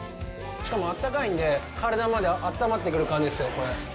しかも、あったかいので体まであったまってくる感じですよ。